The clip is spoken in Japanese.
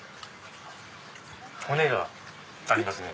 骨がありますね。